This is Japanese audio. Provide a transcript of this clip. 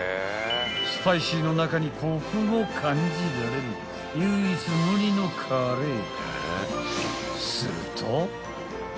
［スパイシーの中にコクも感じられる唯一無二のカレー］